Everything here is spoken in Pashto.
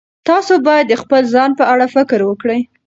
تاسو باید د خپل ځان په اړه فکر وکړئ.